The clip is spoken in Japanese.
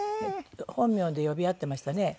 本名で呼び合ってましたね。